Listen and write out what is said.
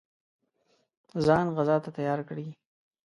ځان غزا ته تیار کړي.